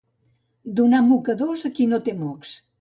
Donar mocadors a qui no té mocs.